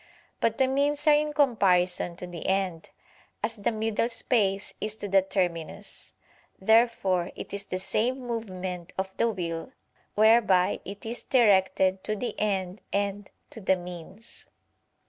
But the means are in comparison to the end, as the middle space is to the terminus. Therefore it is the same movement of the will whereby it is directed to the end and to the means.